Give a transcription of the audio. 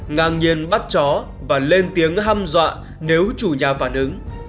ngang nhiên bắt chó và lên tiếng hâm dọa nếu chủ nhà phản ứng